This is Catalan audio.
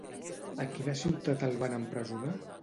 A quina ciutat el van empresonar?